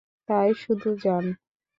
তাই শুধু যান!